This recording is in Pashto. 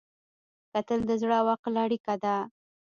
کتل د زړه او عقل اړیکه ده